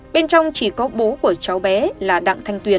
bên trong chỉ có bố của cháu bé là đặng thanh tuyền